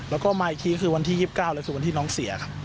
แล้วก็มาอีกทีคือวันที่๒๙เลยคือวันที่น้องเสียครับ